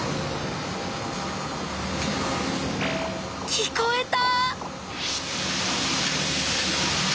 聞こえた！